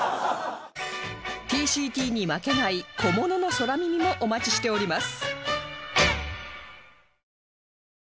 ＴＣＴ に負けない小物の空耳もお待ちしております